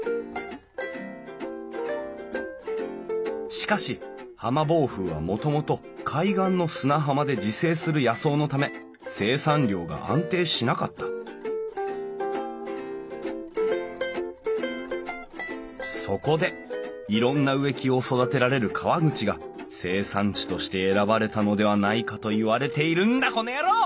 しかしハマボウフウはもともと海岸の砂浜で自生する野草のため生産量が安定しなかったそこでいろんな植木を育てられる川口が生産地として選ばれたのではないかと言われているんだこの野郎！